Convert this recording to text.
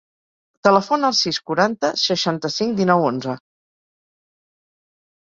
Telefona al sis, quaranta, seixanta-cinc, dinou, onze.